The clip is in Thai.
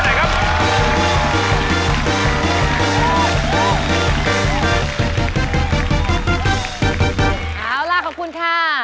เอาล่ะขอบคุณค่ะ